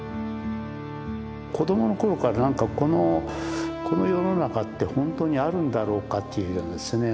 子どもの頃から何かこの世の中って本当にあるんだろうかというようなですね